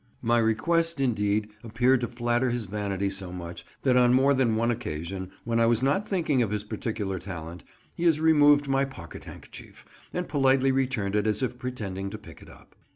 My request, indeed, appeared to flatter his vanity so much that on more than one occasion, when I was not thinking of his particular talent, he has removed my pocket handkerchief, and politely returned it as if pretending to pick it up.